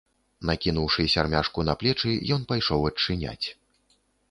Накінуўшы сярмяжку на плечы, ён пайшоў адчыняць.